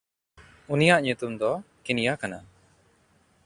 ᱩᱱᱤᱭᱟᱜ ᱧᱩᱛᱩᱢ ᱫᱚ ᱠᱤᱱᱭᱟ ᱠᱟᱱᱟ᱾